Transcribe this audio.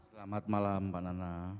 selamat malam mbak nana